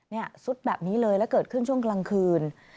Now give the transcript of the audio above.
ซุดแบบนี้เลยแล้วเกิดขึ้นช่วงกลางคืน